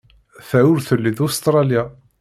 Ta ur telli d Ustṛalya.